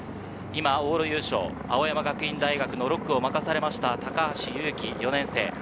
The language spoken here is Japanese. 今、往路優勝、青山学院大学の６区を任されました高橋勇輝・４年生。